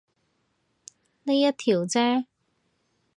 呢一條啫